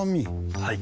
はい。